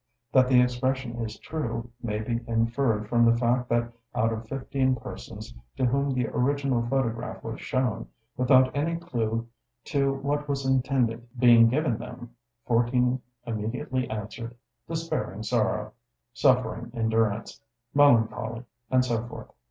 That the expression is true, may be inferred from the fact that out of fifteen persons, to whom the original photograph was shown, without any clue to what was intended being given them, fourteen immediately answered, "despairing sorrow," "suffering endurance," "melancholy," and so forth.